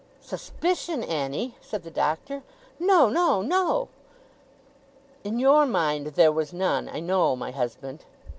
'Suspicion, Annie!' said the Doctor. 'No, no, no!' 'In your mind there was none, I know, my husband!